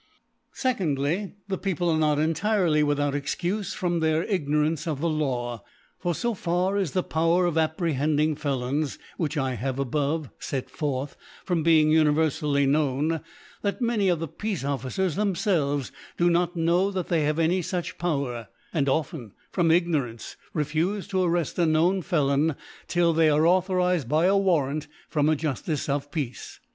2dly^ The People are not entirely with out Excufe from their Ignorance of the Law : For fo far is the Power of appre hending Felons, which I have above fet forth, from being univcrfally known, that many ( ifiS^ ) many of the Ptace Officers themfelves do'^ not know that , they have any fuch Power,, and often from Ignorance refufe to arreft a known Felon 'till they are au horized by a Warrant from a Juftice of Peace.